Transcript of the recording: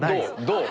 どう？